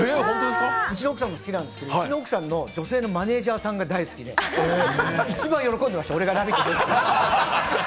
うちの奥さんも好きなんですが、うちの奥さんの女性のマネージャーが大好きで一番喜んでました、俺が「ラヴィット！」に出ること。